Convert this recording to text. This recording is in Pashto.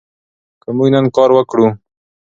که موږ نن کار وکړو.